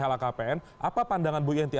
apakah pandangan bu yenti